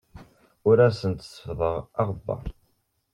Ur asent-seffḍeɣ aɣebbar.